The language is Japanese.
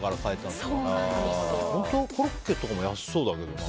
コロッケとかも安そうだけどな。